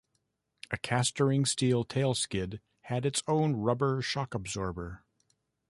A castoring steel tailskid had its own rubber shock absorber.